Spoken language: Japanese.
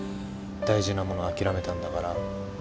大事なもの諦めたんだから